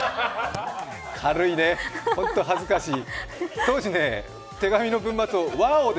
軽いね、本当に恥ずかしい。